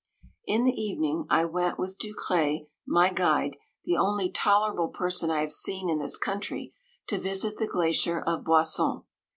In the evening I went with Ducr&e, my guide, the only tolerable person I have seen in this country, to visit the glacier of Boisson.